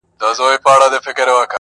د وزر او د لکۍ په ننداره سو!!